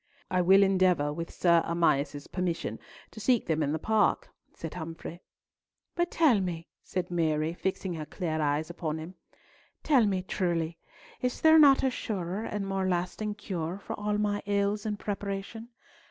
"I will endeavour, with Sir Amias's permission, to seek them in the park," said Humfrey. "But tell me," said Mary, fixing her clear eyes upon him, "tell me truly. Is there not a surer and more lasting cure for all my ills in preparation?